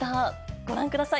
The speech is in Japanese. ご覧ください。